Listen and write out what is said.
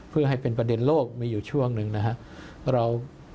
เพื่อให้เป็นประเด็นโลกมีอยู่ช่วงหนึ่งนะครับ